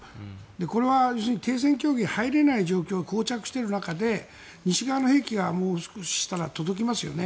これは停戦協議に入れない状況がこう着してる中で、西側の兵器がもう少ししたら届きますよね。